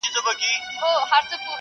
o جار دي سم روپۍ، چي هم سپر ئې، هم گدۍ!